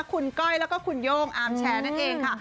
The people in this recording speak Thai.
คุณก้อยแล้วก็คุณโย่งอาร์มแชร์นั่นเองค่ะ